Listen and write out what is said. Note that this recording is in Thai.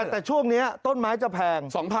แต่ช่วงนี้ต้นไม้จะแพง